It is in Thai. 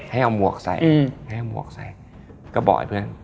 ให้เอาหมวกใส่ให้เอาหมวกใส่ก็บอกให้เพื่อน